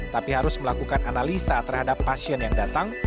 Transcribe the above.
tapi harus melakukan analisa terhadap pasien yang datang